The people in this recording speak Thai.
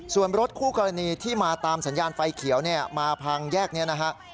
ส่วนรถคู่กรณีที่มาตามสัญญาณไฟเขียวเนี่ยมาพังแยกนี้นะฮะ